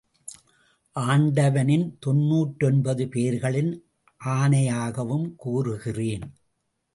ஆண்டவனின் தொண்ணுற்றொன்பது பெயர்களின் ஆணையாகவும் கூறுகிறேன்.